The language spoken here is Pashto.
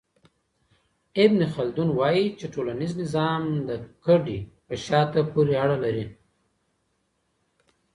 ابن خلدون وايي چي ټولنيز نظام د کډه په شاته پوري اړه لري.